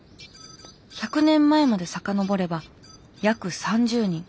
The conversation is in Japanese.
１００年前まで遡れば約３０人。